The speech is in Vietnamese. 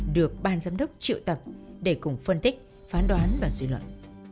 được bàn giám đốc triệu tập để cùng phân tích phán đoán và suy luận